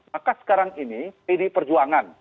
maka sekarang ini pdi perjuangan